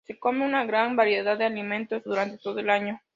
Se come una gran variedad de alimentos durante todo el año.